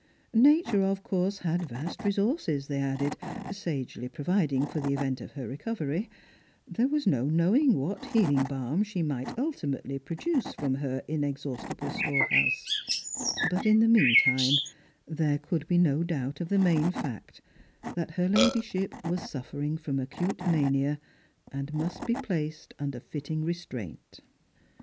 Nature, of course, had vast resources, they added, sagely ]n oviding for the event of her recovery — there was no knowing what heahng balm she might ultimately produce from her inexhaustible storehouse — but in the meantime there could be no doubt of the main fact, that her ladyship was suff'ering from acute mania, and must be placed tinder fitting restraint.